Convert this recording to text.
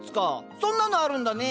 そんなのあるんだね。